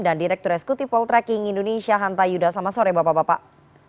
dan direktur eskuti poltreking indonesia hanta yudha selamat sore bapak bapak